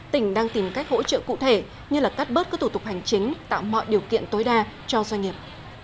tỉnh đang tìm cách hỗ trợ cụ thể như cắt bớt các thủ tục hành chính tạo mọi điều kiện tối đa cho doanh nghiệp